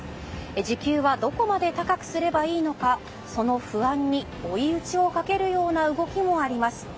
時給はどこまで高くすればいいのかその不安に追い打ちをかけるような動きもあります。